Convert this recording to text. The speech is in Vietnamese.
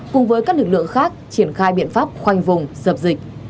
cùng với các lực lượng khác triển khai biện pháp khoanh vùng dập dịch